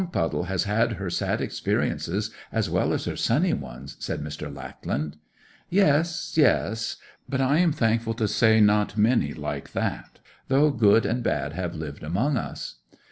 'Longpuddle has had her sad experiences as well as her sunny ones,' said Mr. Lackland. 'Yes, yes. But I am thankful to say not many like that, though good and bad have lived among us.